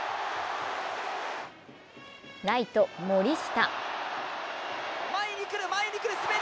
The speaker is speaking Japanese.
ライト・森下。